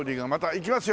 いきますよ